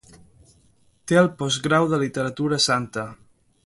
Té el postgrau de Literatura Santa.